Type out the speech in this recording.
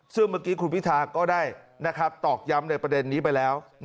ซึ่งเมื่อกี้คุณพิธาก็ได้ตอกย้ำในประเด็นนี้ไปแล้ว